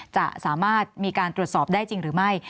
สามารถมีการตรวจสอบได้จริงหรือไม่